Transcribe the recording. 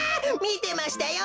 みてましたよ